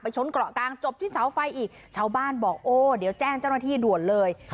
ชนเกาะกลางจบที่เสาไฟอีกชาวบ้านบอกโอ้เดี๋ยวแจ้งเจ้าหน้าที่ด่วนเลย